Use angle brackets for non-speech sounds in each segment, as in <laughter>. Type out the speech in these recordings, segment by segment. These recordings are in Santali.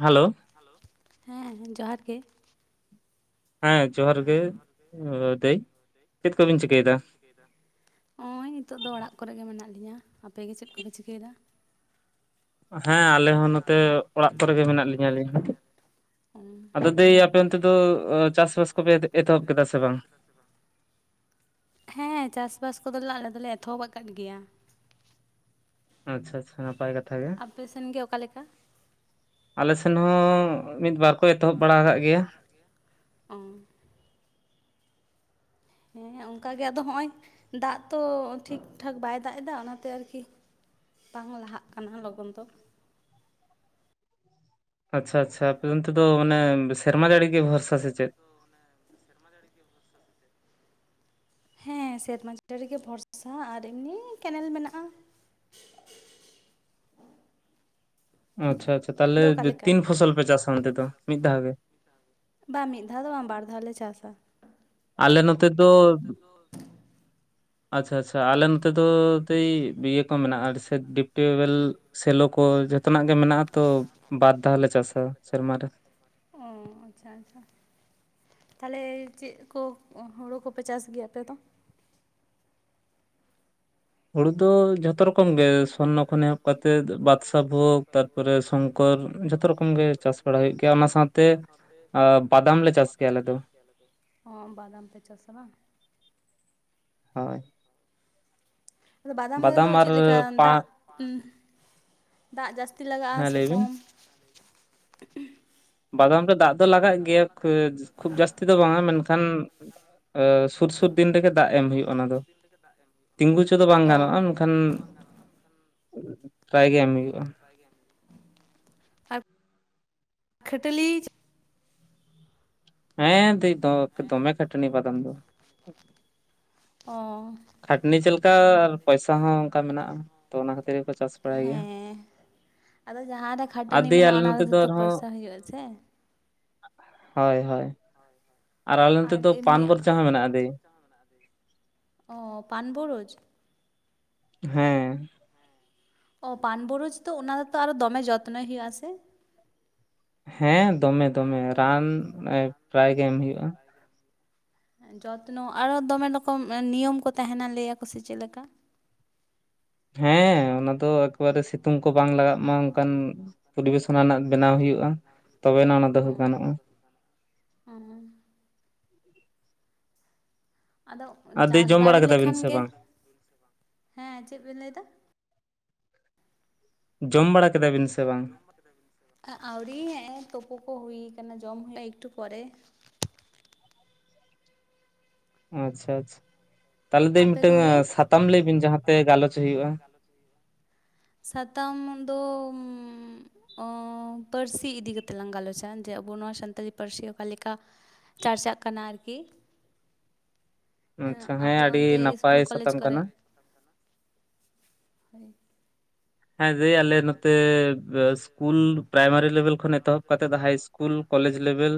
ᱦᱟᱞᱳ ᱦᱟᱞᱳ, ᱦᱮᱸ ᱡᱚᱸᱦᱟᱨ ᱜᱮ᱾ ᱦᱮᱸ ᱡᱚᱸᱦᱟᱨ ᱜᱮ ᱫᱟᱹᱭ, ᱪᱮᱫ ᱠᱚᱵᱤᱱ ᱪᱤᱠᱟᱹᱭᱫᱟ? ᱪᱤᱠᱟᱹᱭᱫᱟ, ᱚᱸᱭ ᱱᱤᱛᱳᱜ ᱫᱚ ᱚᱲᱟᱜ ᱠᱚᱨᱮ ᱜᱮ ᱢᱮᱱᱟᱜ ᱞᱤᱧᱟᱹ᱾ ᱟᱯᱮ ᱜᱮ ᱪᱮᱫ ᱠᱚᱯᱮ ᱪᱤᱠᱟᱹᱭᱫᱟ? ᱦᱮᱸ ᱟᱞᱮ ᱦᱚᱸ ᱱᱚᱛᱮ ᱚᱲᱟᱜ ᱠᱚᱨᱮ ᱜᱮ ᱢᱮᱱᱟᱜ ᱞᱤᱧᱟ ᱟᱞᱤᱧ ᱦᱚᱸ᱾ ᱚ ᱟᱫᱚ ᱫᱟᱹᱭ ᱟᱯᱮ ᱚᱱᱛᱮ ᱫᱚ ᱚᱻ ᱪᱟᱥᱼᱵᱟᱥ ᱠᱚᱯᱮ ᱮᱛᱚᱦᱚᱵ ᱠᱮᱫᱟ ᱥᱮ ᱵᱟᱝ? ᱦᱮᱸ ᱪᱟᱥ ᱵᱟᱥ ᱠᱚᱫᱚᱞᱮ ᱟᱞᱮ ᱫᱚᱞᱮ ᱮᱛᱚᱦᱚᱵ ᱠᱟᱫ ᱜᱮᱭᱟ᱾ ᱟᱪᱪᱷᱟ ᱟᱪᱷᱟ ᱱᱟᱯᱟᱭ ᱠᱟ ᱟᱯᱮ ᱥᱮᱱ ᱜᱮ ᱚᱠᱟ ᱞᱮᱠᱟ? ᱟᱞᱮ ᱥᱮᱱ ᱦᱚᱸᱻ ᱢᱤᱫ ᱵᱟᱨ ᱠᱚ ᱮᱛᱚᱦᱚᱵ ᱵᱟᱲᱟ ᱠᱟᱜ ᱜᱮᱭᱟ᱾ ᱚᱸ ᱦᱮᱸ ᱚᱝᱠᱟ ᱜᱮ ᱟᱫᱚ ᱦᱚᱜᱼᱚᱭ ᱫᱟᱜ ᱛᱚ ᱴᱷᱤᱠ ᱴᱷᱟᱠ ᱵᱟᱭ ᱫᱟᱜ ᱮᱫᱟ ᱚᱱᱟᱛᱮ ᱟᱨᱠᱤ ᱵᱟᱝ ᱞᱟᱦᱟᱜ ᱠᱟᱱᱟ ᱞᱚᱜᱚᱱ ᱫᱚ ᱟᱪᱪᱷᱟ ᱟᱪᱪᱷᱟ ᱟᱯᱮ ᱚᱱᱛᱮ ᱫᱚ ᱢᱟᱱᱮ ᱥᱮᱨᱢᱟ ᱡᱟᱹᱲᱤ ᱜᱮ ᱵᱷᱚᱨᱥᱟ ᱥᱮ ᱪᱮᱫ? ᱥᱮᱨᱢᱟ ᱡᱟᱹᱲᱤ ᱜᱮ ᱦᱮᱸ ᱥᱮᱨᱢᱟ ᱡᱟᱹᱨᱤᱜᱮ ᱵᱷᱚᱨᱥᱟ ᱟᱨ ᱮᱢᱱᱤ ᱠᱮᱱᱮᱞ ᱢᱮᱱᱟᱜᱼᱟ᱾ ᱟᱪᱪᱷᱟ ᱟᱪᱪᱷᱟ ᱛᱟᱦᱞᱮ ᱟᱫᱚ ᱚᱠᱟᱞᱮᱠᱟ ᱛᱤᱱ ᱯᱷᱚᱥᱚᱞ ᱯᱮ ᱪᱟᱥᱟ ᱚᱱᱛᱮ ᱫᱚ ᱢᱤᱫ ᱫᱷᱟᱣ ᱜᱮ ᱵᱟ ᱢᱤᱫ ᱫᱷᱟᱣ ᱫᱚ ᱵᱟᱝ ᱫᱷᱟᱣ ᱞᱮ ᱪᱟᱥᱟ ᱟᱞᱮ ᱱᱚᱛᱮ ᱫᱚ ᱟᱪᱪᱷᱟ ᱟᱪᱪᱷᱟ ᱟᱞᱮ ᱱᱚᱛᱮ ᱫᱚ ᱛᱟᱹᱭ ᱤᱭᱟᱹ ᱠᱚ ᱢᱮᱱᱟᱜᱼᱟ ᱥᱮᱴᱤᱯ ᱴᱤᱭᱩᱵᱚᱭᱮᱞ ᱥᱮᱞᱳ ᱠᱚ ᱡᱷᱚᱛᱚᱱᱟᱜ ᱜᱮ ᱢᱮᱱᱟᱜᱼᱟ ᱛᱚ ᱵᱟᱨ ᱫᱷᱟᱣ ᱞᱮ ᱪᱟᱥᱟ ᱥᱮᱨᱢᱟ ᱨᱮ ᱚᱸ ᱟᱪᱪᱷᱟ ᱟᱪᱪᱷᱟ ᱛᱟᱦᱞᱮ ᱪᱮᱫ ᱠᱚ ᱦᱩᱲᱩ ᱠᱚᱯᱮ ᱪᱟᱹᱥ ᱜᱮᱭᱟ ᱟᱯᱮ ᱫᱚ ᱦᱩᱲᱩ ᱫᱚ ᱡᱷᱚᱛᱚ ᱨᱚᱠᱚᱢ ᱜᱮ ᱥᱚᱨᱱᱚ ᱠᱷᱚᱱ ᱮᱦᱚᱵ ᱠᱟᱛᱮ ᱵᱟᱫᱽᱥᱟ ᱵᱷᱳᱜᱽ ᱛᱟᱨ ᱛᱟᱨ ᱯᱚᱨᱮ ᱥᱚᱝᱠᱚᱨ ᱡᱷᱚᱛᱚ ᱨᱚᱠᱚᱢ ᱜᱮ ᱪᱟᱥ ᱵᱟᱲᱟ ᱦᱳᱭᱳᱜ ᱜᱮᱭᱟ ᱚᱱᱟ ᱥᱟᱶᱛᱮ ᱟ ᱵᱟᱫᱟᱢ ᱞᱮ ᱪᱟᱥ ᱠᱮᱭᱟ ᱟᱞᱮ ᱫᱚ ᱦᱚᱸ ᱵᱟᱫᱟᱢ ᱯᱮ ᱪᱟᱥᱟ ᱵᱟᱝ ᱦᱚᱭ ᱟᱫᱚ ᱵᱟᱫᱟᱢ ᱨᱮᱫᱚ ᱟᱨ ᱪᱮᱫ ᱞᱮᱠᱟ ᱯᱟᱸ ᱫᱟᱜ ᱫᱟᱜ ᱡᱟᱹᱥᱛᱤ ᱦᱮᱸ ᱞᱟᱜᱟᱜᱼᱟ ᱥᱮ ᱞᱟᱹᱭ ᱵᱤᱱ ᱠᱚᱢ ᱵᱟᱫᱟᱢ ᱨᱮ ᱫᱟᱜ ᱫᱚ ᱞᱟᱜᱟᱜ ᱜᱮᱭᱟ ᱠᱷᱩᱵ ᱡᱟᱹᱥᱛᱤ ᱫᱚ ᱵᱟᱝᱼᱟ ᱢᱮᱱᱠᱷᱟᱱ ᱥᱩᱨ ᱥᱩᱨ ᱫᱤᱱ ᱨᱮᱜᱮ ᱫᱟᱜ ᱮᱢ ᱦᱩᱭᱩᱜᱼᱟ ᱚᱱᱟ ᱫᱚ ᱛᱤᱸᱜᱩ ᱪᱚ ᱫᱚ ᱵᱟᱝ ᱚ ᱜᱟᱱᱚᱜᱼᱟ ᱢᱮᱱᱠᱷᱟᱱ ᱯᱨᱟᱭ ᱜᱮ ᱮᱢ ᱦᱩᱭᱩᱜᱼᱟ᱾ ᱯᱥᱟᱭ ᱜᱮ ᱮᱢ ᱦᱩᱭᱩᱜ ᱟ ᱟᱨ ᱠᱷᱟᱴᱞᱤ ᱦᱮᱸ ᱫᱟᱹᱤ ᱫᱚᱢᱮ ᱠᱷᱴᱱᱤ ᱵᱟᱫᱟᱢ ᱫᱚ ᱚᱸ ᱠᱷᱟᱹᱴᱱᱤ ᱪᱮᱫ ᱞᱮᱠᱟ ᱟᱨ ᱯᱚᱭᱥᱟ ᱦᱚᱸ ᱚᱱᱠᱟ ᱢᱮᱱᱟᱜᱼᱟ ᱛᱚ ᱚᱱᱟ ᱠᱷᱟᱹᱛᱤᱨ ᱜᱮᱠᱚ ᱪᱟᱹᱥ ᱵᱟᱲᱟᱭ ᱜᱮᱭᱟ ᱦᱮᱸ ᱟᱫᱚ ᱡᱟᱦᱟᱸ ᱨᱮ ᱟᱨ ᱠᱷᱟᱴᱟᱹᱱᱤ ᱫᱤᱭᱮ ᱢᱮᱱᱟᱜᱼᱟ ᱟᱞᱮ ᱚᱱᱟ ᱱᱚᱛᱮ ᱨᱮ ᱫᱚ ᱛᱚ ᱟᱨᱦᱚᱸ ᱯᱚᱭᱥᱟ ᱦᱩᱭᱩᱜ ᱟ ᱥᱮ ᱦᱳᱭ ᱦᱳᱭ ᱟᱨ ᱟᱞᱮ ᱱᱚᱛᱮ ᱫᱚ ᱯᱟᱱᱵᱚᱨᱪᱟ ᱦᱚᱸ ᱢᱮᱱᱟᱜᱼᱟ ᱫᱤ ᱚ ᱯᱟᱱᱵᱩᱨᱩᱡᱽ ᱦᱮᱸ ᱚ ᱯᱟᱱᱵᱩᱨᱩᱡᱽ ᱛᱚ ᱚᱱᱟ ᱫᱚᱛᱚ ᱟᱨᱚ ᱫᱚᱢᱮ ᱡᱚᱛᱱᱚᱭ ᱦᱩᱭᱩᱜ ᱟᱥᱮ ᱦᱮᱸ ᱫᱚᱢᱮ ᱫᱚᱢᱮ ᱨᱟᱱ ᱯᱨᱟᱭ ᱜᱮ ᱮᱢ ᱦᱩᱭᱩᱜᱼᱟ᱾ ᱡᱚᱛᱱᱚ ᱟᱨᱚ ᱫᱚᱢᱮ ᱨᱚᱠᱚᱢ ᱱᱤᱭᱚᱢ ᱠᱚ ᱛᱟᱦᱮᱱᱟ ᱞᱟᱹᱭᱟᱠᱚ ᱥᱮ ᱪᱮᱫ ᱞᱮᱠᱟ ᱦᱮᱸ ᱚᱱᱟ ᱫᱚ ᱮᱠᱮᱵᱟᱨᱮ ᱥᱤᱛᱩᱝ ᱠᱚ ᱵᱟᱝ ᱞᱟᱜᱟᱜ ᱢᱟ ᱚᱱᱠᱟᱱ ᱯᱚᱨᱤᱵᱮᱥᱚ ᱨᱮᱱᱟᱜ ᱵᱮᱱᱟᱣ ᱦᱩᱭᱩᱜᱼᱟ ᱛᱚᱵᱮᱱᱟᱱᱟᱜ ᱚᱱᱟ ᱱᱟᱦᱟᱜ ᱚᱱᱟ ᱫᱚᱦᱚ ᱚ ᱜᱟᱱᱚᱜᱼᱟ‍᱾ ᱚ ᱟᱫᱚ ᱟᱨ ᱫᱟᱹᱭ ᱪᱟᱹᱥ ᱡᱚᱢ ᱵᱟᱲᱟ ᱫᱟᱲᱮ ᱠᱮᱫᱟ ᱵᱤᱱ ᱞᱮᱠᱷᱟᱱ ᱥᱮ ᱜᱮ ᱵᱟᱝ ᱦᱮᱸ ᱪᱮᱫ ᱵᱤᱱ ᱞᱟᱹᱭ ᱮᱫᱟ ᱡᱚᱢ ᱵᱟᱲᱟ ᱠᱮᱫᱟ ᱵᱤᱱ ᱥᱮ ᱵᱟᱝ ᱟᱹᱣᱨᱤ ᱦᱮᱜ ᱮ ᱛᱚᱯᱩ ᱠᱚ ᱦᱩᱭ ᱠᱟᱱᱟ ᱡᱚᱢ ᱦᱩᱭᱩᱜ ᱮᱠᱴᱩ ᱯᱮ ᱟᱪᱪᱷᱟ ᱟᱪᱪᱷᱟ ᱛᱟᱦᱚᱞᱮ ᱫᱚᱧ ᱟᱯᱮ ᱢᱤᱫᱴᱟᱝ ᱠᱚᱜᱮ? ᱥᱟᱛᱟᱢ ᱞᱟᱹᱭ ᱵᱤᱱ ᱡᱟᱦᱟᱸᱛᱮ ᱜᱟᱞᱚᱪ ᱦᱩᱭᱩᱜᱼᱟ᱾ ᱥᱟᱛᱟᱢ ᱫᱚ ᱯᱟᱹᱨᱥᱤ ᱤᱫᱤ ᱠᱟᱛᱮᱜ ᱞᱟᱝ ᱜᱟᱞᱚᱪᱟ ᱡᱮ ᱟᱵᱚ ᱱᱚᱣᱟ ᱥᱟᱱᱛᱟᱞᱤ ᱯᱟᱹᱨᱥᱤ ᱚᱠᱟ ᱞᱮᱠᱟ ᱪᱟᱨᱪᱟᱜ ᱠᱟᱱᱟ ᱟᱨᱠᱤ ᱟᱪᱪᱷᱟ ᱦᱮᱸ ᱟᱯᱮ ᱟᱹᱰᱤ ᱚᱱᱛᱮ ᱱᱟᱯᱟᱭ ᱤᱥᱠᱩᱞ ᱠᱚᱞᱮᱡᱽ ᱥᱟᱛᱟᱢ ᱠᱚᱨᱮ ᱠᱟᱱᱟ᱾ ᱦᱚᱭ ᱟ ᱥᱟᱨ ᱟᱞᱮ ᱱᱚᱛᱮ ᱤᱥᱠᱩᱞ ᱯᱨᱟᱭᱢᱟᱨᱤ ᱞᱮᱵᱮᱞᱹ ᱠᱷᱚᱱ ᱮᱛᱚᱦᱚᱵ ᱠᱟᱛᱮ ᱫᱚ ᱦᱟᱭ ᱤᱥᱠᱩᱞ ᱠᱚᱞᱮᱡᱽ ᱞᱮᱵᱮᱞ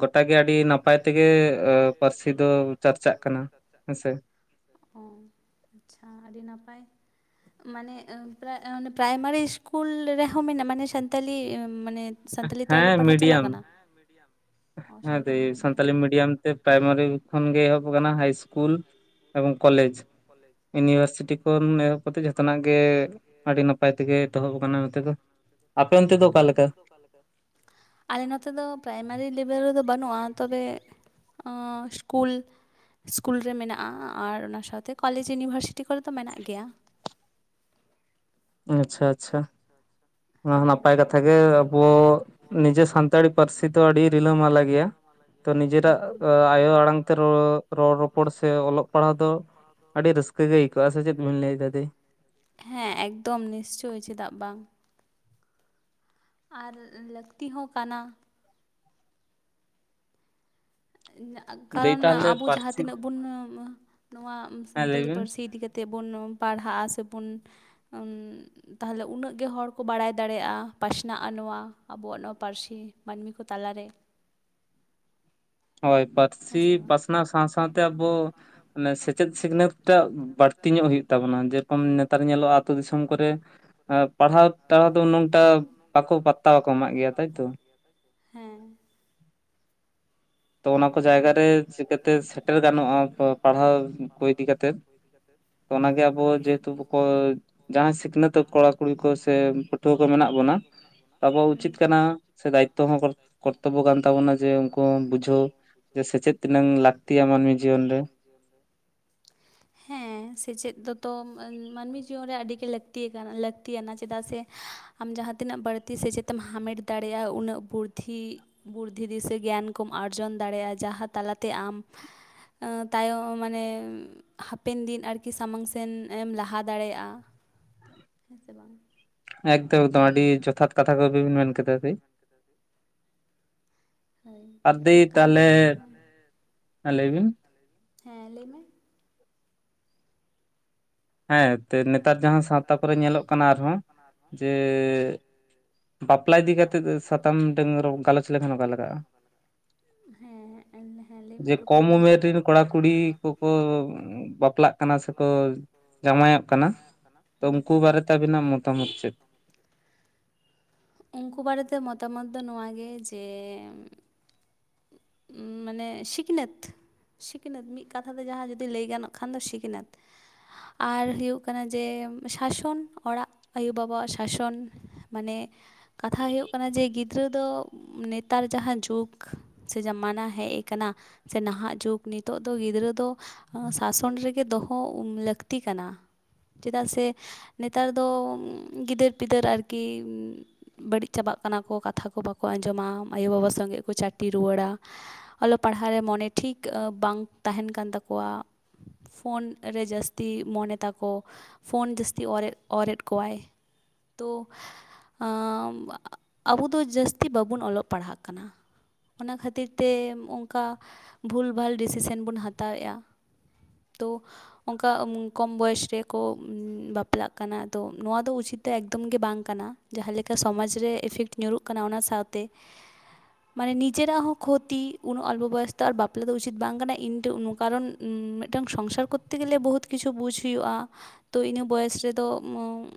ᱜᱚᱴᱟ ᱜᱮ ᱟᱹᱰᱤ ᱱᱟᱯᱟᱭ ᱛᱮᱜᱮ ᱯᱟᱹᱨᱥᱤ ᱫᱚ ᱪᱟᱨᱪᱟᱜ ᱠᱟᱱᱟ ᱦᱮᱸᱥᱮ ᱚ ᱟᱪᱪᱷᱟ ᱟᱹᱰᱤ ᱱᱟᱯᱟᱭ ᱢᱟᱱᱮ ᱯᱨᱟᱭ ᱯᱨᱟᱭᱢᱟᱨᱤ ᱤᱥᱠᱩᱞ ᱨᱮᱦᱚᱸ ᱢᱮᱱᱟᱜᱼᱟ ᱢᱟᱱᱮ ᱥᱟᱱᱛᱟᱞᱤ ᱢᱟᱱᱮ ᱥᱟᱱᱛᱟᱞᱤ ᱛᱮ ᱦᱮᱸ ᱚᱞᱚᱜ ᱯᱟᱲᱦᱟᱜ ᱪᱟᱞᱟᱜ ᱢᱤᱰᱤᱭᱟᱢ ᱠᱟᱱᱟ᱾ ᱚ ᱦᱮᱸ ᱫᱤ ᱢᱤᱰᱤᱭᱟᱢ ᱥᱟᱱᱛᱟᱞᱤ ᱢᱤᱰᱤᱭᱚᱢ ᱢᱤᱰᱤᱭᱟᱢ ᱛᱮ ᱯᱨᱟᱭᱢᱟᱨᱤ ᱠᱷᱚᱱ ᱜᱮ ᱮᱦᱚᱵ ᱟᱠᱟᱱᱟ ᱦᱟᱭ ᱤᱥᱠᱩᱞ ᱮᱵᱚᱝ ᱠᱚᱞᱮᱡᱽ ᱤᱭᱩᱱᱤᱵᱷᱟᱨᱥᱤᱴᱤ ᱠᱷᱚᱱ ᱮᱦᱚᱵ ᱠᱟ ᱠᱟᱛᱮᱫ ᱡᱚᱛᱚ ᱱᱟᱜ ᱜᱮ ᱟᱹᱰᱤ ᱱᱟᱯᱟᱭ ᱛᱮᱜᱮ ᱮᱚᱦᱚᱵ ᱟᱠᱟᱱᱟ ᱱᱚᱛᱮ ᱫᱚ ᱟᱯᱲ ᱚᱱᱛᱮ ᱫᱚ ᱚᱠᱟ ᱟᱞᱠᱟ ᱚᱠᱟ ᱞᱮᱠᱟ ᱟᱞᱮ ᱱᱚᱛᱮ ᱫᱚ ᱯᱨᱟᱭᱢᱟᱨᱤ ᱞᱮᱵᱮᱞ ᱨᱮᱫᱚ ᱵᱟᱹᱱᱩᱜᱼᱟ ᱛᱚᱵᱮ ᱟᱜ ᱠᱩᱞ ᱤᱥᱠᱩᱞ ᱨᱮ ᱢᱮᱱᱟᱜᱼᱟ ᱟᱨ ᱚᱱᱟ ᱥᱟᱶᱛᱮ ᱠᱚᱞᱮᱡᱽ ᱤᱭᱩᱱᱤᱵᱷᱟᱨᱥᱤᱴᱤ ᱠᱚᱨᱮ ᱛᱚ ᱢᱮᱱᱟᱜ ᱜᱮᱭᱟ ᱟᱪᱪᱷᱟ ᱟᱪᱪᱷᱟ ᱚᱱᱟ ᱦᱚ ᱱᱟᱯᱟᱭ ᱦᱮᱸ ᱠᱟᱛᱷᱟ ᱜᱮ ᱟᱵᱚ ᱱᱤᱡᱮ ᱥᱟᱱᱛᱟᱲᱤ ᱯᱟᱹᱨᱥᱤ ᱫᱚ ᱟᱹᱰᱤ ᱨᱤᱞᱟᱹᱢᱟᱞᱟ ᱜᱮᱭᱟ ᱛᱚ ᱱᱤᱡᱮᱨᱟᱜ ᱦᱩᱸ ᱟᱭᱳ ᱟᱲᱟᱝ ᱛᱮ ᱨᱚᱲᱼᱨᱚᱯᱚᱲ ᱥᱮ ᱚᱞᱚᱜ ᱯᱟᱲᱦᱟᱣ ᱫᱚ ᱟᱹᱰᱤ ᱨᱟᱹᱥᱠᱟᱹ ᱜᱮ ᱟᱭᱠᱟᱹ ᱟ ᱥᱮ ᱪᱮᱫ ᱵᱮᱱ ᱞᱟᱹᱭ ᱫᱟ ᱫᱤ ᱦᱮᱸ ᱮᱠᱫᱚᱢ ᱱᱤᱥᱪᱳ ᱪᱮᱫᱟᱜ ᱵᱟᱝ ᱟᱨ ᱞᱟᱹᱠᱛᱤ ᱦᱚᱸ ᱠᱟᱱᱟ᱾ ᱫᱟᱹᱭ ᱠᱟᱨᱚᱱ ᱛᱟᱦᱚᱞᱮ ᱟᱵᱚ ᱡᱟᱦᱟᱸ ᱯᱟᱹᱨᱥᱤ ᱛᱤᱱᱟᱹᱜ ᱵᱚᱱ ᱱᱚᱣᱟ ᱦᱮᱸ ᱞᱟᱹᱭ ᱥᱟᱱᱛᱟᱞᱤ ᱵᱤᱱ ᱯᱟᱹᱨᱥᱤ ᱤᱫᱤ ᱠᱟᱛᱮ ᱛᱮ ᱵᱚᱱ ᱯᱟᱲᱦᱟᱜᱼᱟ ᱥᱮᱵᱚᱱ ᱛᱟᱦᱚᱞᱮ ᱩᱱᱟᱹᱜ ᱜᱮ ᱦᱚᱲ ᱠᱚ ᱵᱟᱲᱟᱭ ᱫᱟᱲᱮᱭᱟᱜᱼᱟ ᱯᱟᱥᱱᱟᱜᱼᱟ ᱱᱚᱣᱟ ᱟᱵᱚᱣᱟᱜ ᱱᱚᱣᱟ ᱯᱟᱹᱨᱥᱤ ᱢᱟᱹᱱᱢᱤ ᱠᱚ ᱛᱟᱞᱟᱨᱮ ᱦᱳᱭ ᱦᱮᱸ ᱯᱟᱹᱨᱥᱤ ᱥᱮ ᱵᱟᱝ ᱯᱟᱥᱱᱟᱣ ᱥᱟᱶ ᱥᱟᱶᱛᱮ ᱟᱵᱚ ᱢᱟᱱᱮ ᱥᱮᱪᱮᱫ ᱥᱤᱠᱷᱱᱟᱹᱛ ᱴᱟᱜ ᱵᱟᱹᱲᱛᱤ ᱧᱚᱜ ᱦᱩᱭᱩᱜ ᱛᱟᱵᱚᱱᱟ ᱡᱮ ᱠᱚᱢ ᱱᱮᱛᱟᱨ ᱧᱮᱞᱚᱜᱼᱟ ᱟᱹᱛᱳ ᱫᱤᱥᱚᱢ ᱠᱚᱨᱮ ᱯᱟᱲᱦᱟᱣ ᱴᱟᱲᱦᱟᱣ ᱫᱚᱝᱴᱟ ᱵᱟᱠᱚ ᱛ ᱵᱟᱠᱚ ᱮᱢᱟᱜ ᱜᱮᱭᱟ ᱯᱟᱛᱟ ᱛᱟᱭᱛᱚ ᱠᱚᱟᱜ ᱜᱮᱭᱟ ᱦᱮᱸ <unintelligible> ᱛᱚ ᱚᱱᱟ ᱠᱚ ᱦᱳᱭ ᱡᱟᱭᱜᱟ ᱨᱮ ᱪᱤᱠᱟᱹᱛᱮ ᱥᱮᱴᱮᱨ ᱜᱟᱱᱚᱜᱼᱟ ᱯᱟᱲᱦᱟᱣ ᱠᱚ ᱤᱫᱤ ᱠᱟᱛᱮ ᱚ ᱚᱱᱟᱜᱮ ᱟᱵᱚ ᱡᱮᱦᱮᱛᱩ ᱡᱟᱦᱟᱸᱭ ᱥᱤᱠᱷᱱᱟᱹᱛᱚᱜ ᱠᱚᱲᱟ ᱠᱩᱲᱤ ᱠᱚ ᱥᱮ ᱯᱟᱹᱴᱷᱩᱣᱟᱹ ᱠᱚ ᱢᱮᱱᱟᱜ ᱵᱚᱱᱟ ᱟᱵᱚᱣᱟᱜ ᱦᱩᱸ ᱩᱪᱤᱛ ᱠᱟᱱᱟ ᱥᱮ ᱫᱟᱭᱤᱛᱚ ᱦᱚᱸ ᱠᱚᱨᱛᱚᱵᱽᱵᱚ ᱠᱟᱱ ᱛᱟᱵᱚᱱᱟ ᱡᱮ ᱠᱚ ᱵᱩᱡᱷᱟᱹᱣ ᱡᱮ ᱥᱮᱪᱮᱫ ᱛᱤᱱᱟᱹᱝ ᱞᱟᱹᱠᱛᱤᱭᱟ ᱢᱟᱹᱱᱢᱤ ᱡᱤᱭᱚᱱ ᱨᱮ <inaudible> ᱦᱮ ᱥᱮᱪᱮᱫ ᱫᱚᱛᱚ ᱢᱟᱹᱱᱢᱤ ᱡᱤᱭᱚᱱ ᱨᱮ ᱟᱹᱰᱤ ᱜᱮ ᱞᱟᱹᱠ ᱟᱠᱟᱱᱟ ᱞᱟᱹᱠᱛᱤ ᱭᱟᱱᱟ ᱪᱮᱫᱟᱜ ᱥᱮ ᱟᱢ ᱡᱟᱦᱟᱸ ᱛᱤᱱᱟᱹᱜ ᱵᱟᱹᱲᱛᱤ ᱥᱮᱪᱮᱫ ᱮᱢ ᱦᱟᱢᱮᱴ ᱫᱟᱲᱮᱭᱟᱜᱼᱟ ᱩᱱᱟᱹᱜ ᱵᱩᱫᱽᱫᱷᱤ ᱵᱩᱫᱽᱫᱷᱤ ᱫᱤᱥᱟᱹ ᱜᱮᱭᱟᱱ ᱠᱚᱢ ᱟᱨᱡᱚᱱ ᱫᱟᱲᱮᱭᱟᱜᱼᱟ ᱡᱟᱦᱟᱸ ᱛᱟᱞᱟᱛᱮ ᱟᱢ ᱛᱟᱭᱟᱢ ᱢᱟᱱᱮ ᱦᱟᱯᱮᱱ ᱫᱤᱱ ᱟᱨᱠᱤ ᱥᱟᱢᱟᱝ ᱥᱮᱱ ᱮᱢ ᱞᱟᱦᱟ ᱫᱟᱲᱮᱭᱟᱜ-ᱟ ᱦᱮᱸ ᱥᱮ ᱵᱟᱝ ᱮᱠᱫᱚᱢ ᱮᱠᱫᱚᱢ ᱟᱹᱰᱤ ᱡᱚᱛᱷᱟᱛ ᱠᱟᱛᱷᱟ ᱠᱚᱵᱤᱱ ᱢᱮᱱ ᱠᱮᱫᱟ ᱫᱤ ᱦᱳᱭ ᱟᱨ ᱫᱤ ᱠᱟᱨᱚᱱ ᱛᱟᱦᱚᱞᱮ ᱦᱮᱸ ᱞᱟᱹᱭ ᱵᱤᱱ ᱦᱮᱸ ᱞᱟᱹᱭ ᱢᱮ ᱦᱮᱸ ᱱᱮᱛᱟᱨ ᱡᱟᱦᱟᱸ ᱥᱟᱶᱛᱟ ᱠᱚᱨᱮ ᱧᱮᱞᱚᱜ ᱠᱟᱱᱟ ᱟᱨᱦᱚᱸ ᱡᱮ ᱵᱟᱯᱞᱟ ᱤᱫᱤ ᱠᱟᱛᱮᱫ ᱥᱟᱛᱟᱢ ᱜᱟᱞᱚᱪ ᱞᱮᱠᱷᱟᱱ ᱚᱠᱟ ᱞᱮᱜᱟᱜᱼᱟ᱾ ᱦᱮᱸ ᱮᱱ ᱦᱮᱸ ᱞᱟᱹᱭ ᱢᱮ ᱡᱮ ᱠᱚᱢ ᱠᱩᱠᱞᱤ ᱫᱚᱦᱚᱭ ᱩᱢᱮᱨ ᱢᱮ ᱨᱮᱱ ᱠᱚᱲᱟᱼᱠᱩᱲᱤ ᱠᱚᱠᱚ ᱵᱟᱯᱞᱟᱜ ᱠᱟᱱᱟ᱾ ᱠᱟᱱᱟ ᱥᱮᱠᱚ ᱡᱟᱶᱟᱭᱚᱜ ᱠᱟᱱᱟ ᱛᱚ ᱦᱮᱸ ᱩᱱᱠᱩ ᱵᱟᱨᱮᱛᱮ ᱟᱵᱤᱱᱟᱜ ᱢᱚᱛᱟᱢᱚᱛ ᱪᱮᱫ ᱩᱱᱠᱩ ᱵᱟᱨᱮᱛᱮ ᱢᱚᱛᱟᱢᱚᱛ ᱫᱚ ᱱᱚᱣᱟ ᱜᱮ ᱡᱮ ᱮᱜ ᱢᱟᱱᱮ ᱥᱤᱠᱷᱱᱟᱹᱛ ᱥᱤᱠᱷᱱᱟᱹᱛ ᱢᱤᱫ ᱠᱟᱛᱷᱟ ᱛᱮ ᱡᱟᱦᱟᱸ ᱡᱩᱫᱤ ᱞᱟᱹᱭ ᱜᱟᱱᱚᱜ ᱠᱷᱟᱱ ᱫᱚ ᱥᱤᱠᱷᱱᱟᱹᱛ ᱟᱨ ᱦᱩᱭᱩᱜ ᱠᱟᱱᱟ ᱡᱮ ᱥᱟᱥᱚᱱ ᱚᱲᱟᱜ ᱟᱭᱳ ᱵᱟᱵᱟ ᱣᱟᱜ ᱥᱟᱥᱚᱱ ᱢᱟᱱᱮ ᱠᱟᱛᱷᱟ ᱦᱩᱭᱩᱜ ᱠᱟᱱᱟ ᱡᱮ ᱜᱤᱫᱽᱨᱟᱹ ᱫᱚ ᱱᱮᱛᱟᱨ ᱡᱟᱦᱟᱸ ᱡᱩᱜᱽ ᱥᱮ ᱡᱟᱢᱟᱱᱟ ᱦᱮᱡ ᱠᱟᱱᱟ᱾ ᱥᱮ ᱱᱟᱦᱟᱜ ᱡᱩᱜᱽ ᱱᱤᱛᱚᱜ ᱫᱚ ᱜᱤᱫᱽᱨᱟᱹ ᱫᱚ ᱥᱟᱥᱚᱱ ᱨᱮᱜᱮ ᱫᱚᱦᱚ ᱞᱟᱹᱠᱛᱤ ᱠᱟᱱᱟ᱾ ᱪᱮᱫᱟᱜ ᱥᱮ ᱱᱮᱛᱟᱨ ᱫᱚ ᱜᱤᱫᱟᱹᱨ ᱯᱤᱫᱟᱹᱨ ᱟᱨᱠᱤ ᱵᱟᱹᱲᱤᱡ ᱪᱟᱵᱟᱜ ᱠᱟᱱᱟ ᱠᱚ ᱠᱟᱛᱷᱟ ᱠᱚ ᱵᱟᱠᱚ ᱟᱸᱡᱚᱢᱟ ᱟᱭᱳᱼᱵᱟᱵᱟ ᱥᱚᱸᱜᱮ ᱠᱚ ᱪᱟᱹᱴᱤ ᱨᱩᱣᱟᱹᱲᱟ ᱚᱞᱚᱜ ᱯᱟᱲᱦᱟᱣ ᱨᱮ ᱢᱚᱱᱮ ᱴᱷᱤᱠ ᱵᱟᱝ ᱛᱟᱦᱮᱱ ᱠᱟᱱ ᱛᱟᱠᱚᱣᱟ ᱯᱷᱳᱱ ᱨᱮ ᱡᱟᱹᱥᱛᱤ ᱢᱚᱱᱮ ᱛᱟᱠᱚ ᱯᱷᱳᱱ ᱡᱟᱹᱥᱛᱤ ᱚᱨ ᱚᱨᱮᱫ ᱠᱚᱣᱟᱭ ᱛᱚ ᱟᱵᱚ ᱫᱚ ᱡᱟᱹᱥᱛᱤ ᱵᱟᱵᱚᱱ ᱚᱞᱚᱜ ᱯᱟᱲᱦᱟᱜ ᱠᱟᱱᱟ᱾ ᱚᱱᱟ ᱠᱷᱟᱹᱛᱤᱨ ᱛᱮ ᱚᱱᱠᱟ ᱵᱷᱩᱞ ᱵᱷᱟᱞ ᱰᱤᱥᱤᱥᱮᱱ ᱵᱚᱱ ᱦᱟᱛᱟᱣᱮᱫᱼᱟ᱾ ᱛᱚ ᱚᱱᱠᱟ ᱠᱚᱢ ᱵᱚᱭᱮᱥ ᱨᱮᱠᱚ ᱵᱟᱯᱞᱟᱜ ᱠᱟᱱᱟ ᱛᱚ ᱱᱚᱣᱟ ᱫᱚ ᱩᱪᱤᱛ ᱫᱚ ᱮᱠᱫᱚᱢ ᱜᱮ ᱵᱟᱝ ᱠᱟᱱᱟ᱾ ᱡᱟᱦᱟᱸ ᱞᱮᱠᱟ ᱥᱚᱢᱟᱡᱽ ᱨᱮ ᱤᱯᱷᱮᱠᱴ ᱧᱩᱨᱩᱜ ᱠᱟᱱᱟ ᱚᱱᱟ ᱥᱟᱶᱛᱮ <inaudible> ᱢᱟᱱᱮ ᱱᱤᱡᱮᱨᱟᱜ ᱦᱚᱸ ᱠᱷᱚᱛᱤ ᱩᱱᱟᱹᱜ ᱚᱞᱯᱚ ᱵᱚᱭᱚᱥ ᱛᱚ ᱟᱨ ᱵᱟᱯᱞᱟ ᱫᱚ ᱩᱪᱤᱛ ᱵᱟᱝ ᱠᱟᱱᱟ ᱤᱧ ᱳᱱᱳ ᱠᱟᱨᱚᱱ ᱢᱤᱫᱴᱟᱝ ᱥᱚᱝᱥᱟᱨ ᱠᱚᱨᱛᱮ ᱜᱮᱞᱮ ᱵᱚᱦᱩᱛ ᱠᱤᱪᱷᱩ ᱵᱩᱡ ᱦᱩᱭᱩᱜ-ᱟ᱾ ᱛᱚ ᱤᱱᱟᱹ ᱵᱚᱭᱮᱥ ᱨᱮᱫᱚ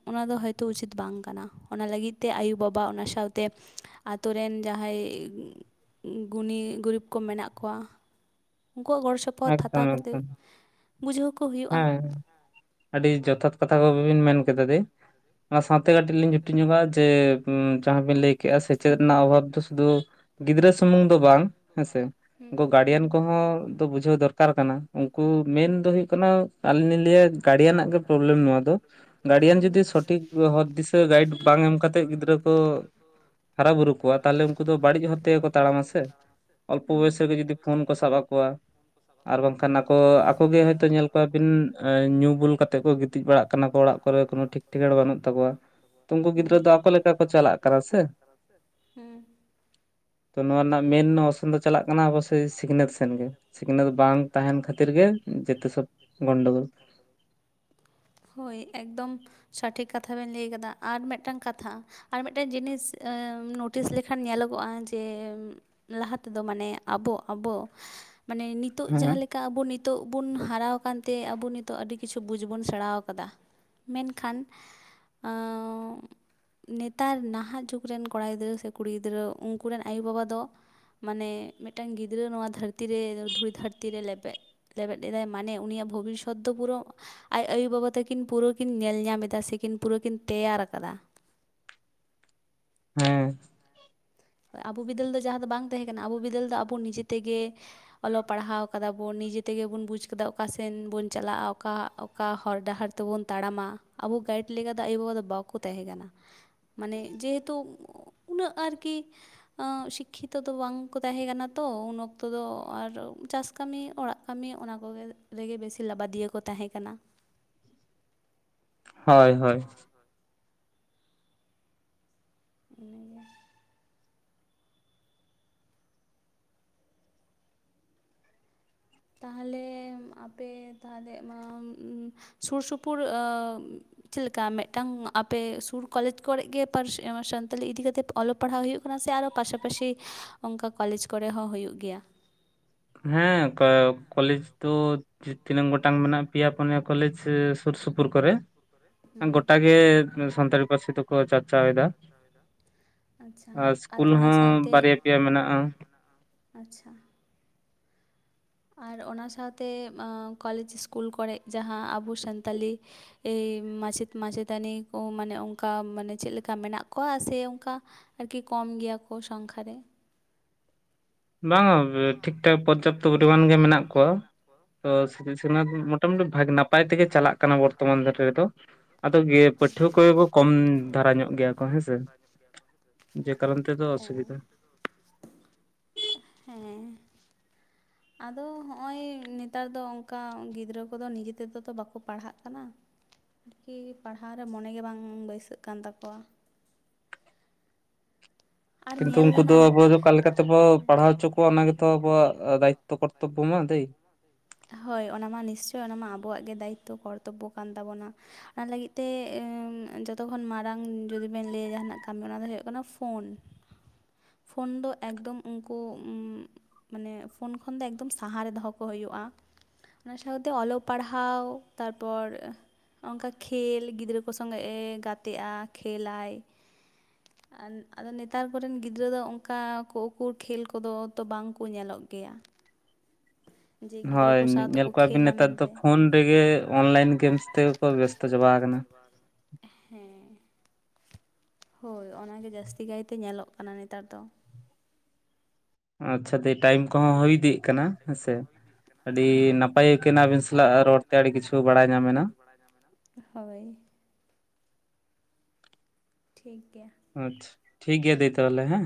ᱚᱱᱟ ᱫᱚ ᱦᱚᱭᱛᱳ ᱩᱪᱤᱛ ᱵᱟᱝ ᱠᱟᱱᱟ᱾ ᱚᱱᱟ ᱞᱟᱹᱜᱤᱫ ᱛᱮ ᱟᱭᱳ ᱵᱟᱵᱟ ᱚᱱᱟ ᱥᱟᱶᱛᱮ ᱟᱛᱳ ᱨᱮᱱ ᱡᱟᱦᱟᱸᱭ ᱜᱩᱱᱤ ᱜᱩᱨᱤᱵᱽ ᱠᱚ ᱢᱮᱱᱟᱜ ᱠᱚᱣᱟ ᱩᱱᱠᱩᱣᱟᱜ ᱜᱚᱲᱚ ᱥᱚᱯᱚᱦᱚᱫ- ᱯᱚᱫ ᱮᱠᱫᱚᱢ ᱦᱟᱛᱟᱣ ᱠᱟᱛᱮᱫ ᱮᱠᱫᱚᱢ ᱵᱩᱡᱷᱟᱹᱣ ᱠᱚ ᱦᱩᱭᱩᱜ-ᱟ᱾ ᱦᱮᱸ ᱟᱹᱰᱤ ᱡᱚᱛᱷᱟᱛ ᱠᱟᱛᱷᱟ ᱠᱚᱵᱤᱱ ᱢᱮᱱ ᱠᱮᱫᱟ ᱫᱮ ᱚᱱᱟ ᱥᱟᱶᱛᱮ ᱠᱟᱹᱴᱤᱡ ᱞᱤᱧ ᱡᱷᱩᱴᱤ ᱧᱚᱜᱟ ᱡᱮ ᱡᱟᱦᱟᱸ ᱵᱤᱱ ᱞᱟᱹᱭ ᱠᱮᱜᱼᱟ ᱥᱮᱪᱮᱫ ᱨᱮᱱᱟᱜ ᱚᱵᱷᱟᱵᱽ ᱫᱚ ᱥᱩᱫᱩ ᱜᱤᱫᱽᱨᱟᱹ ᱥᱩᱢᱩᱝ ᱫᱚ ᱵᱟᱝ ᱦᱮᱸᱥᱮ ᱦᱩᱸ ᱩᱱᱠᱩ ᱦᱩᱸ ᱜᱟᱨᱰᱤᱭᱮᱱ ᱠᱚᱦᱚᱸ ᱫᱚ ᱵᱩᱡᱷᱟᱹᱣ ᱫᱚᱨᱠᱟᱨ ᱠᱟᱱᱟ ᱩᱱᱠᱩ ᱢᱮᱱ ᱦᱩᱸ ᱫᱚ ᱦᱩᱭᱩᱜ ᱠᱟᱱᱟ ᱾ ᱠᱟᱱᱟ ᱟᱞᱤᱧ ᱞᱤᱧ ᱞᱤᱭᱟ- ᱜᱟᱲᱰᱤᱭᱟᱱᱟᱜ ᱜᱮ ᱯᱨᱚᱵᱞᱮᱢ ᱱᱚᱣᱟ ᱫᱚ ᱜᱟᱹᱰᱤᱭᱟᱱ ᱦᱩᱸ ᱡᱩᱫᱤ ᱥᱚᱴᱷᱤᱠ ᱦᱚᱨ ᱫᱤᱥᱟᱹ ᱜᱟᱭᱤᱰ ᱵᱟᱝ ᱮᱢ ᱠᱟᱛᱮᱫ ᱜᱤᱫᱽᱨᱟᱹ ᱠᱚ ᱦᱟᱨᱟ ᱵᱩᱨᱩ ᱠᱚᱣᱟ ᱛᱟᱦᱞᱮ ᱩᱱᱠᱩ ᱫᱚ ᱵᱟᱹᱲᱤᱡ ᱦᱚᱨ ᱛᱮᱜᱮ ᱠᱚ ᱛᱟᱲᱟᱢᱟ ᱥᱮ ᱚᱞᱯᱚ ᱵᱚᱭᱚᱥ ᱨᱮᱜᱮ ᱡᱩᱫᱤ ᱯᱷᱳᱱ ᱠᱚ ᱥᱟᱵ ᱟᱠᱚᱣᱟ ᱟᱨ ᱵᱟᱝᱠᱷᱟᱱ ᱟᱠᱚ ᱟᱠᱚ ᱜᱮ ᱦᱳᱭᱛᱳ ᱧᱮᱞ ᱠᱚᱣᱟᱵᱤᱱ ᱧᱩ ᱵᱩᱞ ᱠᱟ ᱛᱮ ᱠᱚ ᱜᱤᱛᱤᱡ ᱵᱟᱲᱟᱜ ᱠᱟᱱᱟ ᱠᱚ ᱚᱲᱟᱜ ᱠᱚᱨᱮ ᱠᱳᱱᱳ ᱴᱷᱤᱠ ᱴᱷᱤᱠᱟᱹᱬ ᱵᱟᱹᱱᱩᱜ ᱛᱟᱠᱚᱣᱟ ᱛᱚ ᱩᱱᱠᱩ ᱜᱤᱫᱽᱨᱟᱹ ᱟᱠᱚ ᱞᱮᱠᱟ ᱠᱚ ᱫᱚ ᱟᱠ ᱪᱟᱞᱟᱜ ᱞᱮᱠᱟ ᱠᱟᱱᱟ ᱠᱚ ᱥᱮ ᱪᱟᱞᱟᱜ ᱠᱟᱱᱟ ᱥᱮ ᱦᱩᱸ ᱛᱚ ᱱᱚᱣᱟ ᱨᱮᱱᱟᱜ ᱢᱮᱱ ᱚᱨᱥᱚᱝ ᱫᱚ ᱪᱟᱞᱟᱜ ᱠᱟᱱᱟ ᱟᱵᱚ ᱥᱮᱭ ᱥᱤᱠᱷᱱᱟᱹᱛ ᱥᱮᱱ ᱜᱮ ᱥᱤᱠᱷᱱᱟᱹᱛ ᱵᱟᱝ ᱛᱟᱦᱮᱱ ᱠᱷᱟᱹᱛᱤᱨ ᱜᱮ ᱡᱮᱛᱚ ᱥᱚᱵ ᱜᱚᱱᱰᱳᱜᱚᱞ ᱦᱳᱭ ᱮᱠᱫᱚᱢ ᱥᱚᱴᱷᱤᱠ ᱠᱟᱛᱷᱟ ᱵᱮᱱ ᱞᱟᱹᱭ ᱠᱟᱫᱟ ᱟᱨ ᱢᱤᱫᱴᱟᱝ ᱠᱟᱛᱷᱟ ᱟᱨ ᱢᱤᱫᱴᱟᱱ ᱡᱤᱱᱤᱥ ᱱᱳᱴᱤᱥ ᱞᱮᱠᱷᱟᱱ ᱧᱮᱞᱚᱜᱚᱜᱼᱟ ᱡᱮ ᱞᱟᱦᱟ ᱛᱮᱫᱚ ᱢᱟᱱᱮ ᱟᱵᱚ ᱟᱵᱚ ᱢᱟᱱᱮ ᱱᱤᱛ ᱱᱤᱛᱚᱜ ᱡᱟᱦᱟᱸ ᱦᱮᱸ ᱞᱮᱠᱟ ᱟᱵᱚ ᱱᱤᱛᱚᱜ ᱵᱩᱱ ᱦᱟᱨᱟᱣ ᱟᱠᱟᱱ ᱛᱮ ᱟᱵᱚ ᱱᱤᱛᱚᱜ ᱟᱹᱰᱤ ᱠᱤᱪᱷᱩ ᱵᱩᱡᱽ ᱵᱚᱱ ᱥᱮᱬᱟᱣ ᱠᱟᱫᱟ ᱢᱮᱱᱠᱷᱟᱱ ᱟᱸᱻᱻ ᱱᱮᱛᱟᱨ ᱱᱟᱦᱟᱜ ᱡᱩᱜᱽ ᱨᱮᱱ ᱠᱚᱲᱟ ᱜᱤᱫᱽᱨᱟᱹ ᱥᱮ ᱠᱩᱲᱤ ᱜᱤᱫᱽᱨᱟᱹ ᱩᱱᱠᱩ ᱨᱮᱱ ᱟᱭᱳᱼᱵᱟᱵᱟ ᱫᱚ ᱢᱟᱱᱮ ᱢᱤᱫᱴᱟᱱ ᱜᱤᱫᱽᱨᱟᱹ ᱱᱚᱣᱟ ᱫᱷᱟᱹᱨᱛᱤ ᱨᱮ ᱫᱷᱩᱲᱤ ᱫᱷᱟᱹᱨᱛᱤ ᱨᱮ ᱞᱮᱵᱮᱫ ᱞᱮᱵᱮᱫ ᱞᱮᱫᱟᱭ ᱢᱟᱱᱮ ᱩᱱᱤᱭᱟᱜ ᱵᱷᱚᱵᱤᱥᱥᱚᱛ ᱫᱚ ᱯᱩᱨᱟᱹ ᱟᱡ ᱟᱭᱳᱼᱵᱟᱵᱟ ᱛᱟᱹᱠᱤᱱ ᱯᱩᱨᱟᱹ ᱠᱤᱱ ᱧᱮᱞ ᱧᱟᱢ ᱮᱫᱟ ᱥᱮ ᱠᱤᱱ ᱯᱩᱨᱟᱹ ᱠᱤᱱ ᱛᱮᱭᱟᱨ ᱟᱠᱟᱫᱟ ᱾ ᱦᱮᱸ ᱟᱵᱚ ᱵᱤᱫᱟᱹᱞ ᱫᱚ ᱡᱟᱦᱟᱸ ᱫᱚ ᱵᱟᱝ ᱛᱟᱦᱮᱸ ᱠᱟᱱᱟ ᱟᱵᱚ ᱵᱤᱫᱟᱹᱞ ᱫᱚ ᱟᱵᱚ ᱱᱤᱡᱮ ᱛᱮᱜᱮ ᱚᱞᱚᱜ ᱯᱟᱲᱦᱟᱣ ᱠᱟᱫᱟ ᱵᱚᱱ ᱱᱤᱡᱮ ᱛᱮᱜᱮ ᱵᱚᱱ ᱵᱩᱡᱽ ᱠᱟᱫᱟ ᱚᱠᱟ ᱥᱮᱱ ᱵᱚᱱ ᱪᱟᱞᱟᱜᱼᱟ ᱚᱠᱟ ᱚᱠᱟ ᱦᱚᱨ ᱰᱟᱦᱟᱨ ᱞᱮᱠᱟ ᱛᱮᱵᱚᱱ ᱛᱟᱲᱟᱢᱟ ᱟᱵᱚ ᱜᱟᱭᱤᱰ ᱞᱮᱠᱟ ᱫᱚ ᱟᱭᱩᱵᱟᱵᱟ ᱫᱚ ᱵᱟᱠ ᱵᱟᱠᱚ ᱛᱟᱦᱮᱸ ᱠᱟᱱᱟ ᱢᱟᱱᱮ ᱡᱮᱦᱮᱛᱩ ᱩᱱᱟᱹᱜ ᱟᱨᱠᱤ ᱥᱤᱠᱷᱤᱛᱚ ᱫᱚ ᱵᱟᱝᱠᱚ ᱛᱟᱦᱮᱸ ᱠᱟᱱᱟ ᱛᱚ ᱩᱱ ᱚᱠᱛᱚ ᱫᱚ ᱟᱨ ᱪᱟᱥ ᱠᱟᱹᱢᱤ ᱚᱲᱟᱜ ᱠᱟᱹᱢᱤ ᱚᱱᱟ ᱠᱚᱜᱮ ᱨᱮᱜᱮ ᱵᱮᱥᱤ ᱞᱟᱵᱟᱫᱤᱭᱟᱹ ᱠᱚ ᱛᱟᱦᱮᱸ ᱠᱟᱱᱟ ᱾ ᱦᱳᱭ ᱦᱳᱭ <unintelligible> ᱛᱟᱦᱚᱞᱮ ᱟᱯᱮ ᱛᱟᱦᱞᱮ ᱢᱟ ᱥᱩᱨ ᱥᱩᱯᱩᱨ ᱟᱹᱻ ᱪᱮᱫ ᱞᱮᱠᱟ ᱢᱤᱫᱴᱟᱝ ᱟᱯᱮ ᱥᱩᱨ ᱠᱚᱞᱮᱡᱽ ᱠᱚᱨᱮ ᱜᱮ ᱯᱟᱹᱨᱥᱤ ᱥᱟᱱᱛᱟᱞᱤ ᱤᱫᱤ ᱠᱟᱛᱮᱫ ᱯᱮ ᱚᱞᱚᱜ ᱯᱟᱲᱦᱟᱣ ᱦᱩᱭᱩᱜ ᱠᱟᱱᱟ ᱥᱮ ᱟᱨᱚ ᱯᱟᱥᱟᱯᱟᱥᱤ ᱚᱱᱠᱟ ᱠᱚᱞᱮᱡᱽ ᱠᱚᱨᱮ ᱦᱚᱸ ᱦᱩᱭᱩᱜ ᱜᱮᱭᱟ ᱾ ᱦᱮᱸ ᱠᱚᱞᱮᱡᱽ ᱫᱚ ᱛᱤᱱᱟᱹᱝ ᱜᱚᱴᱟᱝ ᱢᱮᱱᱟᱜᱼᱟ ᱯᱮᱭᱟ ᱯᱩᱱᱭᱟ ᱠᱚᱞᱮᱡᱽ ᱥᱩᱨ ᱥᱩᱯᱩᱨ ᱠᱚᱨᱮ ᱦᱩᱸ ᱜᱚᱴᱟ ᱜᱮ ᱥᱟᱱᱛᱟᱲᱤ ᱯᱟᱹᱨᱥᱤ ᱛᱮᱠᱚ ᱪᱟᱨᱪᱟᱣ ᱮᱫᱟ ᱟᱪᱪᱷᱟ ᱟᱨ ᱤᱥᱠᱩᱞ ᱚᱱᱟ ᱦᱚᱸ ᱥᱟᱶᱛᱮ ᱵᱟᱨᱭᱟ ᱯᱮᱭᱟ ᱢᱮᱱᱟᱜᱼᱟ ᱢᱮᱱᱟᱜᱼᱟ ᱟᱪᱪᱷᱟ ᱟᱨ ᱚᱱᱟ ᱥᱟᱶᱛᱮ ᱠᱚᱞᱮᱡᱽ ᱥᱠᱩᱞ ᱠᱚᱨᱮᱜ ᱡᱟᱦᱟᱸ ᱟᱵᱚ ᱥᱟᱱᱛᱟᱞᱤ ᱮᱭ ᱢᱟᱪᱮᱫ ᱢᱟᱪᱮᱛᱟᱹᱱᱤ ᱠᱚ ᱢᱟᱱᱮ ᱚᱱᱠᱟ ᱢᱟᱱᱮ ᱪᱮᱫ ᱞᱮᱠᱟ ᱢᱮᱱᱟᱜ ᱠᱚᱣᱟ ᱥᱮ ᱚᱱᱠᱟ ᱟᱨᱠᱤ ᱠᱚᱢ ᱜᱮᱭᱟ ᱠᱚ ᱥᱚᱝᱠᱷᱟ ᱨᱮ ᱵᱟᱝᱼᱟ ᱴᱷᱤᱠ ᱴᱷᱟᱠ ᱯᱚᱨᱡᱟᱯᱛᱚ ᱯᱚᱨᱤᱢᱟᱱ ᱜᱮ ᱢᱮᱱᱟᱜ ᱠᱚᱣᱟ ᱛᱚ ᱥᱤᱠᱷᱱᱟᱹᱛ <unintelligible> ᱵᱷᱟᱜ ᱱᱟᱯ ᱱᱟᱯᱟᱭ ᱛᱮᱜᱮ ᱪᱟᱞᱟᱜ ᱠᱟᱱᱟ ᱵᱚᱨᱛᱚᱢᱟᱱ ᱫᱷᱟᱹᱨ ᱨᱮᱫᱚ ᱟᱫᱚ ᱯᱟᱹᱴᱷᱩᱣᱟᱹ ᱠᱚᱜᱮ ᱠᱚ ᱠᱚᱢ ᱫᱷᱟᱨᱟ ᱧᱚᱜ ᱜᱮᱭᱟ ᱠᱚ ᱦᱮᱸᱥᱮ ᱡᱮ ᱠᱟᱨᱚᱱ ᱛᱮᱫᱚ ᱚ ᱚᱥᱩᱵᱤᱫᱷᱟ ᱦᱮᱸ ᱟᱫᱚ ᱦᱚᱜᱼᱚᱭ ᱱᱮᱛᱟᱨ ᱫᱚ ᱚᱱᱠᱟ ᱜᱤᱫᱽᱨᱟᱹ ᱠᱚᱫᱚ ᱱᱤᱡᱮ ᱛᱮᱫᱚ ᱛᱚ ᱵᱟᱠᱚ ᱯᱟᱲᱦᱟᱜ ᱠᱟᱱᱟ ᱾ ᱟᱨᱠᱤ ᱯᱟᱲᱦᱟᱣ ᱨᱮ ᱢᱚᱱᱮ ᱜᱮ ᱵᱟᱝ ᱵᱟᱹᱭᱥᱟᱹᱜ ᱠᱟᱱ ᱛᱟᱠᱚᱣᱟ ᱟᱨ ᱠᱤᱱᱛᱩ ᱧᱮᱞ ᱩᱱᱠᱩ ᱫᱚ ᱜᱟᱱᱚᱜᱼᱟ ᱟᱵᱚ ᱚᱠᱟ ᱞᱮᱠᱟ ᱛᱮ ᱵᱚ ᱯᱟᱲᱦᱟᱣ ᱦᱚᱪᱚ ᱠᱚᱣᱟ ᱚᱱᱟ ᱜᱮᱛᱚ ᱟᱵᱚᱣᱟᱜ ᱫᱟᱭᱤᱛᱚ ᱠᱚᱨᱛᱚᱵᱚ ᱢᱟ ᱫᱟᱹᱭ ᱦᱳᱭ ᱚᱱᱟᱢᱟ ᱱᱤᱥᱪᱳᱭ ᱚᱱᱟ ᱢᱟ ᱟᱵᱚᱣᱟᱜ ᱜᱮ ᱫᱟᱭᱤᱛᱚ ᱠᱚᱨᱛᱚᱵᱽᱵᱚ ᱠᱟᱱ ᱛᱟᱵᱚᱱᱟ ᱾ ᱚᱱᱟ ᱞᱟᱹᱜᱤᱫ ᱛᱮ ᱡᱚᱛᱚ ᱠᱷᱚᱱ ᱢᱟᱨᱟᱝ ᱡᱩᱫᱤ ᱵᱮᱱ ᱞᱟᱹᱭᱟ ᱡᱟᱦᱟᱱᱟᱜ ᱠᱟᱹᱢᱤ ᱚᱱᱟ ᱫᱚ ᱦᱩᱭᱩᱜ ᱠᱟᱱᱟ ᱯᱷᱳᱱ ᱯᱷᱳᱱ ᱫᱚ ᱮᱠᱫᱚᱢ ᱩᱱᱠᱩ ᱢᱟᱱᱮ ᱯᱷᱳᱱ ᱠᱷᱚᱱ ᱫᱚ ᱮᱠᱫᱚᱢ ᱥᱟᱦᱟ ᱨᱮ ᱫᱚᱦᱚ ᱠᱚ ᱦᱩᱭᱩᱜᱼᱟ᱾ ᱚᱱᱟ ᱥᱟᱶᱛᱮ ᱚᱞᱚᱜ ᱯᱟᱲᱦᱟᱣ ᱛᱟᱨᱯᱚᱨ ᱚᱝᱠᱟ ᱠᱷᱮᱞ ᱜᱤᱫᱽᱨᱟᱹ ᱠᱚ ᱥᱚᱸᱜᱮ ᱮ ᱜᱟᱛᱮᱜᱼᱟ ᱠᱷᱮᱞᱟᱭ- ᱟᱫᱚ ᱱᱮ ᱱᱮᱛᱟᱨ ᱠᱚᱨᱮᱱ ᱜᱤᱫᱽᱨᱟᱹ ᱫᱚ ᱚᱱᱠᱟ ᱠᱚ ᱩᱠᱩᱨ ᱠᱷᱮᱞ ᱠᱚᱫᱚ ᱛᱚ ᱵᱟᱝ ᱠᱚ ᱧᱮᱞᱚᱜ ᱜᱮᱭᱟ ᱡᱮ ᱜᱤᱫᱽᱨᱟᱹ ᱦᱳᱭ ᱠᱚ ᱥᱟᱶ ᱧᱮᱞ ᱛᱮᱠᱚ ᱠᱚᱣᱟ ᱵᱤᱱ ᱠᱷᱮᱞᱟ ᱱᱮᱛᱟᱨ ᱫᱚ ᱢᱮᱱᱛᱮ ᱯᱷᱳᱱ ᱨᱮᱜᱮ ᱚᱱᱞᱟᱭᱤᱱ ᱜᱮᱢᱥ ᱛᱮᱜᱮ ᱠᱚ ᱵᱮᱥᱛᱚ ᱪᱟᱵᱟ ᱟᱠᱟᱱᱟ᱾ ᱦᱮᱸ ᱦᱳᱭ ᱚᱱᱟᱜᱮ ᱡᱟᱹᱥᱛᱤ ᱠᱟᱭᱛᱮ ᱧᱮᱞᱚᱜ ᱠᱟᱱᱟ ᱱᱮᱛᱟᱨ ᱫᱚ ᱟᱪᱪᱷᱟ ᱫᱤ ᱴᱟᱭᱢ ᱠᱚᱦᱚᱸ ᱦᱩᱭ ᱫᱤᱜ ᱠᱟᱱᱟ ᱦᱮᱸᱥᱮ ᱟᱹᱰᱤ ᱦᱮᱸ ᱢᱟ ᱱᱟᱯᱟᱭ ᱠᱟᱱᱟ ᱟᱹᱵᱤᱱ ᱥᱟᱞᱟᱜ ᱨᱚᱲ ᱛᱮ ᱟᱹᱰᱤ ᱠᱤᱪᱷᱩ ᱵᱟᱲᱟᱭ ᱧᱟᱢᱮᱱᱟ ᱦᱳᱭ ᱴᱷᱤᱠ ᱜᱮᱭᱟ ᱟᱪᱪᱷᱟ ᱴᱷᱤᱠ ᱜᱮᱭᱟ ᱫᱟᱹᱭ ᱛᱟᱦᱚᱞᱮ ᱦᱮᱸ